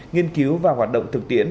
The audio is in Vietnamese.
nghiên cứu và hoạt động thực tiễn